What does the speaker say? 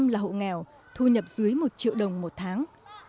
sáu mươi chín bảy là hộ nghèo thu nhập dưới một triệu đồng một tháng